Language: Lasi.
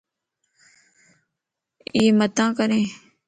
ايَ متان ڪرين